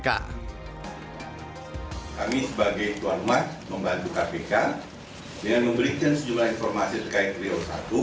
kami sebagai tuan rumah membantu kpk dengan memberikan sejumlah informasi terkait rio satu